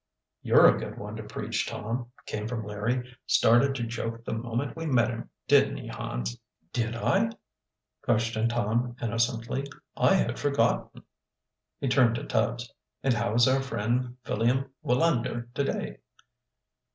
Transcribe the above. "You're a good one to preach, Tom," came from Larry. "Started to joke the moment we met him, didn't he, Hans?" "Did I?" questioned Tom innocently. "I had forgotten." He turned to Tubbs. "And how is our friend Philliam Willander to day?"